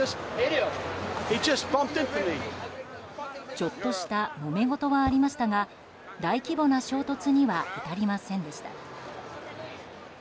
ちょっとしたもめごとはありましたが大規模な衝突には至りませんでした。